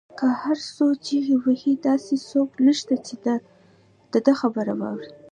که هر څو چیغې وهي داسې څوک نشته، چې د ده خبره واوري